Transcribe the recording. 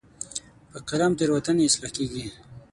په قلم تیروتنې اصلاح کېږي.